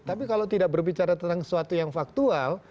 tapi kalau tidak berbicara tentang sesuatu yang faktual